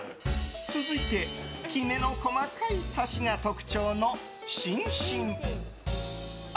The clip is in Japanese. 続いて、きめの細かいさしが特徴のシンシン。